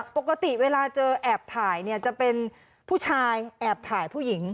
ปกติเวลาเจอแอบถ่ายเนี่ยจะเป็นผู้ชายแอบถ่ายผู้หญิง